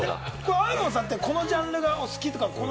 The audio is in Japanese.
アーロンさんってこのジャンルがお好きとか。